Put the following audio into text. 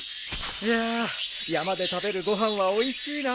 いや山で食べるご飯はおいしいな。